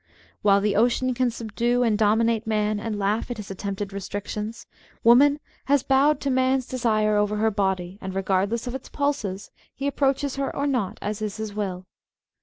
While the ocean can subdue and dominate man and laugh at his attempted restrictions, woman has bowed to man's desire over her body, and, regardless of its pulses, he approaches her or not as is his will.